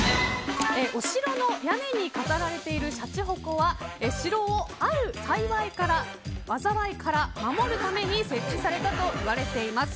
お城の屋根に飾られているしゃちほこは城をある災いから守るために設置されたといわれています。